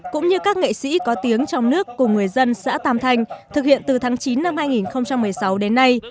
cũng như các nghệ sĩ có tiếng trong nước cùng người dân xã tam thanh thực hiện từ tháng chín năm hai nghìn một mươi sáu đến nay